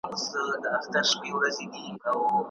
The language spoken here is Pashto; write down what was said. ملا په خپلو لاسونو کټ مټ لټاوه.